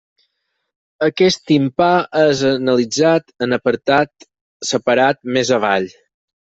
Aquest timpà és analitzat en apartat separat més avall.